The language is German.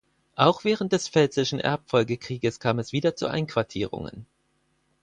Auch während des Pfälzischen Erbfolgekrieges kam es wieder zu Einquartierungen.